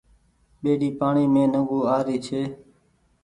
ٻيڙي پآڻيٚ مين نڳون آرو ڇي۔